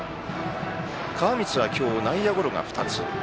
川満は今日、内野ゴロが２つ。